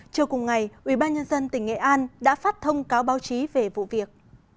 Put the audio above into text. trưa cùng ngày ủy ban nhân dân tỉnh nghệ an đã phát thông cáo báo chí về vụ việc